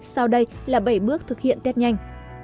sau đây là bảy bước thực hiện tết nhanh